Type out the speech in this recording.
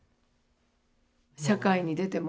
社会に出ても。